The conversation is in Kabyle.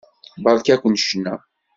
Beṛka-ken ccna.